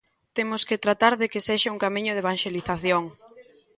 Temos que tratar de que sexa un camiño de evanxelización.